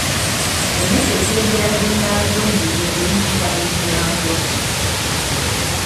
Emmese ekulembera zinnaazo mu lugendo eyitibwa Enjangwa.